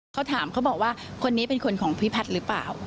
เขาถามเขาบอกว่าคนนี้เป็นคนของพี่แพทย์หรือเปล่า